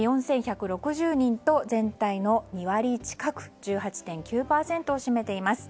４１６０人と全体の２割近く１８．９％を占めています。